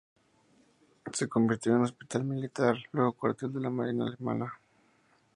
Se convirtió en un hospital militar, luego cuartel de la marina alemana.